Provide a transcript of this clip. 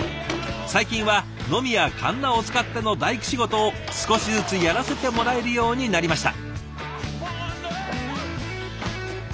最近はノミやカンナを使っての大工仕事を少しずつやらせてもらえるようになりました。